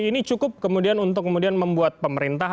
ini cukup kemudian untuk kemudian membuat pemerintah